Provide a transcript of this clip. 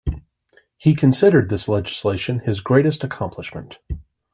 He considered this legislation his greatest accomplishment.